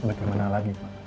tapi ya bagaimana lagi pak